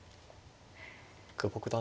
久保九段